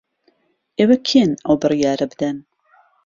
ئێوە کێن ئەو بڕیارە بدەن؟